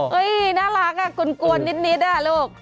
น่ารักอ่ะกลวนนิดอะลูก